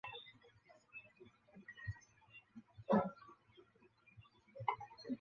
干柿子挑软的